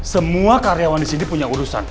semua karyawan di sini punya urusan